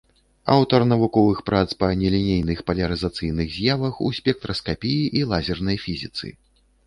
Аўтар навуковых прац па нелінейных палярызацыйных з'явах у спектраскапіі і лазернай фізіцы.